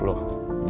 waktu sarapan tadi